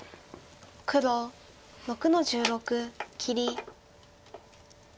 黒６の十六切り。